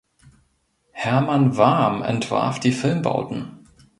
Hermann Warm entwarf die Filmbauten.